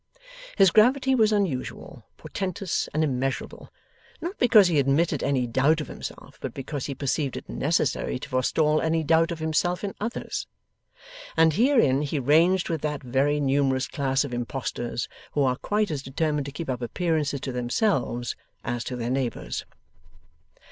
His gravity was unusual, portentous, and immeasurable, not because he admitted any doubt of himself but because he perceived it necessary to forestall any doubt of himself in others. And herein he ranged with that very numerous class of impostors, who are quite as determined to keep up appearances to themselves, as to their neighbours.